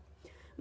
maka yang pertama